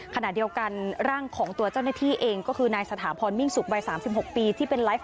ขณะเดียวกันร่างของตัวเจ้าหน้าที่เองก็คือนายสถาพรมิ่งสุกวัย๓๖ปีที่เป็นไลฟ์